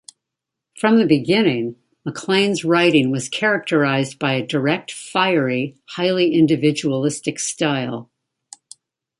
From the beginning, MacLane's writing was characterized by a direct, fiery, highly individualistic style.